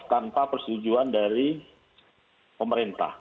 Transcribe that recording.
tanpa persetujuan dari pemerintah